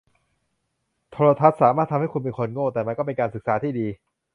โทรทัศน์สามารถทำให้คุณเป็นคนโง่ แต่มันก็เป็นการศึกษาที่ดี